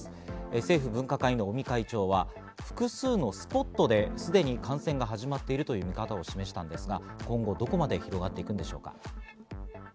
政府分科会の尾身会長は複数のスポットですでに感染が始まっているという見方を示したんですが、今後どこまで広がっていくのでしょうか。